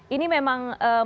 ini memang menjadi